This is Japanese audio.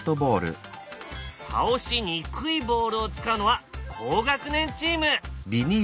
倒しにくいボールを使うのは高学年チーム！